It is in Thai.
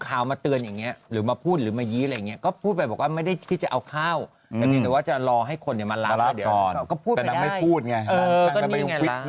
เอามาเตือนอย่างเงี้ยหรือมาพูดหรือมายี้อะไรเงี้ยก็พูดไปบอกว่าไม่ได้คิดจะเอาข้าวหรือว่าจะรอให้คนมารับก่อนก็พูดไม่พูดไง